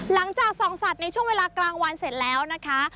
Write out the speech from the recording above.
หลังจากส่องสัตว์ในช่วงเวลากลางวันเสร็จแล้วนะคะ